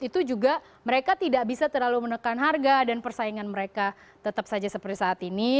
itu juga mereka tidak bisa terlalu menekan harga dan persaingan mereka tetap saja seperti saat ini